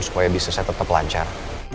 supaya bisnisnya tetep lancar